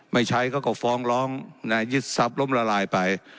ไม่ใช้เขาก็ฟ้องร้องยึดทรัพย์ล้มละลายไป